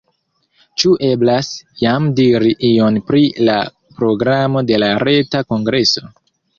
Ĉu eblas jam diri ion pri la programo de la reta kongreso?